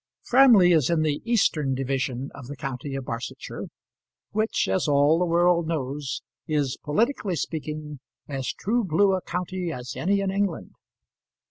Framley is in the eastern division of the county of Barsetshire, which, as all the world knows, is, politically speaking, as true blue a county as any in England.